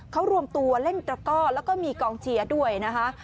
เขารวมตัวเล่นตระก้อแล้วก็มีกองเชียร์ด้วยนะคะ